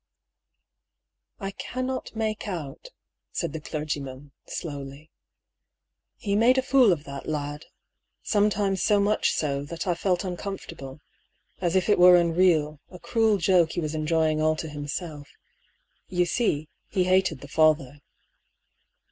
" I cannot make out," said the clergyman, slowly. " He made a fool of that lad ; sometimes so much so that I felt uncomfortable, as if it were unreal, a cruel joke he was enjoying all to himself. You see, he hated the father."